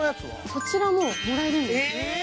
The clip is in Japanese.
そちらももらえるんです。